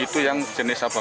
itu yang jenis apa